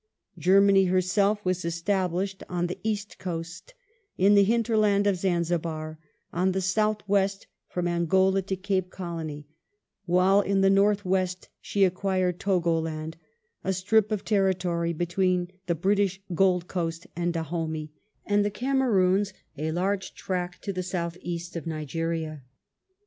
Germany herself was established on the East coast, in the hinter land of Zanzibar, on the South west from Angola to Cape Colony, while in the North west she acquired Togoland, a strip of territory between the British Gold Coast and Dahomey, and the Cameroons, a large tract to the south east of Nigeria.